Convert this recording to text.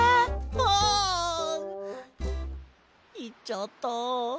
あ！いっちゃった。